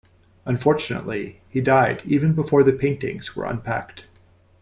Unfortunately, he died even before the paintings were unpacked.